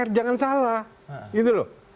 dpr jangan salah